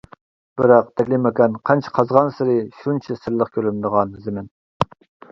بىراق تەكلىماكان قانچە قازغانسېرى شۇنچە سىرلىق كۆرۈنىدىغان زېمىن.